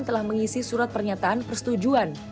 telah mengisi surat pernyataan persetujuan